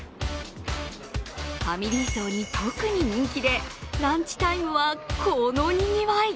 ファミリー層に特に人気でランチタイムはこのにぎわい。